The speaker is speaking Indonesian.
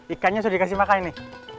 ikannya sudah dikasih makan nih